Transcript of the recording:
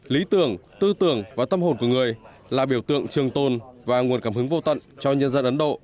lý tưởng tư tưởng và tâm hồn của người là biểu tượng trường tôn và nguồn cảm hứng vô tận cho nhân dân ấn độ